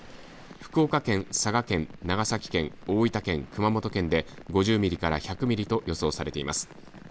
福岡県、佐賀県、長崎県大分県、熊本県で５０ミリから１００ミリと予想されています。